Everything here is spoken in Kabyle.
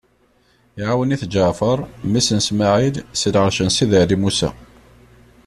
Iɛawen-it Ǧeɛfeṛ, mmi-s n Smaɛil, si lɛeṛc n Sidi Ɛli Musa.